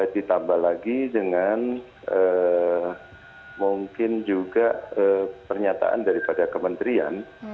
ditambah lagi dengan mungkin juga pernyataan daripada kementerian